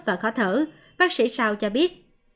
và khó thở bác sĩ sao cho biết